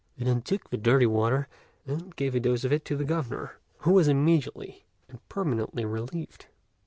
He then took the dirty water, and gave a dose of it to the Governor, who was immediately and permanently relieved.